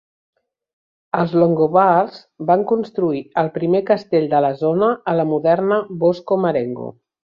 Els longobards van construir el primer castell de la zona a la moderna Bosco Marengo.